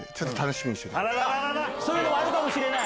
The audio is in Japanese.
そういうのもあるかもしれない？